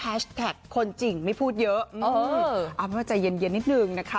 เอาไม่ว่าใจเย็นนิดนึงนะคะ